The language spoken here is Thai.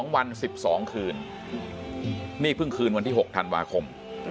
๒วัน๑๒คืนนี่เพิ่งคืนวันที่๖ธันวาคม